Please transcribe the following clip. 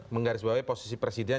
menggarisbawahi posisi presiden